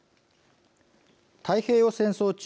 太平洋戦争中